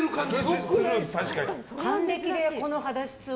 還暦でこの肌質は。